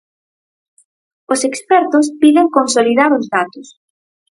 Os expertos piden consolidar os datos.